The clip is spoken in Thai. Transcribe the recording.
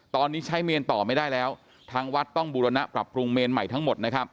ตอนนี้ใช้เมนต่อไม่ได้แล้วทางวัดต้องบูรณะปรับปรุงเมนใหม่ทั้งหมดนะครับ